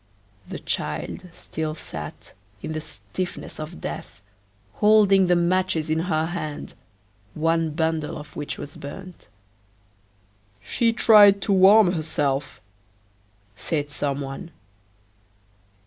The child still sat, in the stiffness of death, holding the matches in her hand, one bundle of which was burnt. "She tried to warm herself," said some.